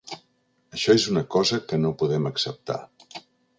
Això és una cosa que no podem acceptar.